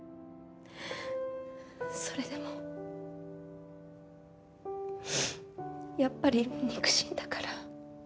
それでもやっぱり肉親だから。